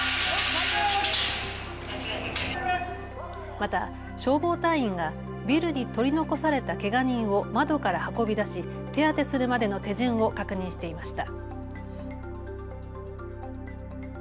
また消防隊員がビルに取り残されたけが人を窓から運び出し手当てするまでの手順を確認していました。